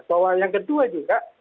bahwa yang kedua juga